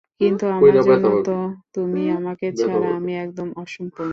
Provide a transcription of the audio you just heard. কিন্তু আমার জন্য তো তুমি, তোমাকে ছাড়া আমি একদম অসম্পূর্ণ।